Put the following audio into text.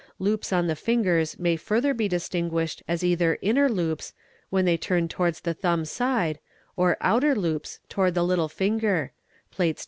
Loops — on the fingers may further be distinguished as either inner loops when — they open towards the thumb side, or outer loops towards the little finger — (Plates II.